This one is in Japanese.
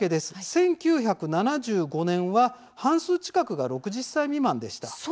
１９７５年は半数近くが６０歳未満の人でした。